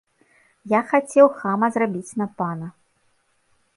Я хацеў хама зрабіць на пана.